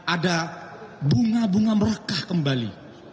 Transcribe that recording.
ada bunga bunga merakah kembali